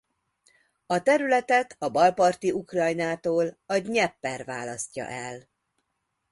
A területet a Bal parti Ukrajnától a Dnyeper választja el.